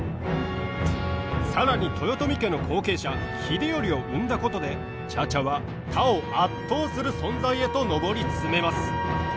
更に豊臣家の後継者秀頼を生んだことで茶々は他を圧倒する存在へと上り詰めます。